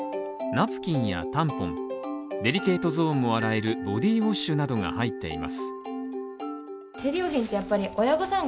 ナプキンやタンポン、デリケートゾーンも洗えるボディーウオッシュなどが入っています